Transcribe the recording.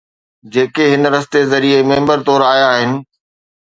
جيڪي هن رستي ذريعي ميمبر طور آيا آهن.